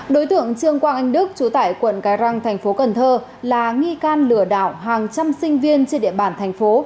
đối tượng trương quang anh đức chú tại quận cái răng thành phố cần thơ là nghi can lừa đảo hàng trăm sinh viên trên địa bàn thành phố